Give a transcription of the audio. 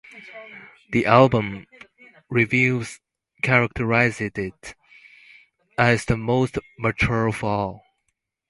The album reviews characterized it as the most mature of all.